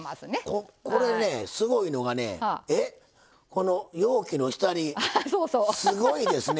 この容器の下にすごいですね。